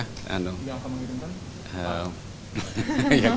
yang akan mengirimkan